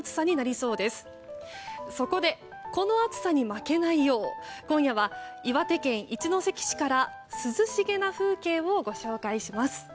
そこで、この暑さに負けないよう今夜は岩手県一関市から涼しげな風景をご紹介します。